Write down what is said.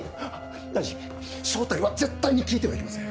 大臣正体は絶対に聞いてはいけません！